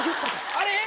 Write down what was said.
あれ？